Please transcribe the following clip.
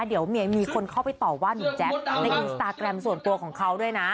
เดี๋ยวมีคนเข้าไปต่อว่าหนุ่มแจ๊คในอินสตาแกรมส่วนตัวของเขาด้วยนะ